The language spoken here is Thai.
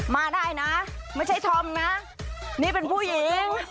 มาได้นะไม่ใช่ธอมนะนี่เป็นผู้หญิง